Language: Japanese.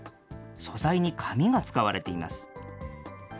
素材に紙が使われています。